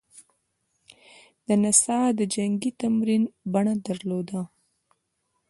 دا نڅا د جنګي تمرین بڼه درلوده